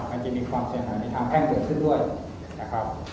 มันจะมีความเสียหายในทางแพ่งเกิดขึ้นด้วยนะครับ